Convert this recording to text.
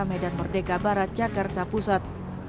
medan merdeka barat jakarta pusat